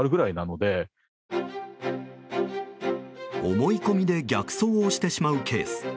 思い込みで逆走をしてしまうケース。